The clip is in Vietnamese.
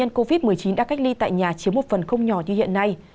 bệnh nhân covid một mươi chín đã cách ly tại nhà chiếm một phần không nhỏ như hiện nay